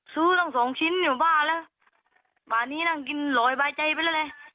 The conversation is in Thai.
ซื้อตั้งสองชิ้นอยู่บ้าแล้วบ่านี้นั่งกินลอยบายใจไปแล้วเลย